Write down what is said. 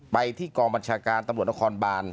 ไปที่กองบัญชาการตำรวจนครบาน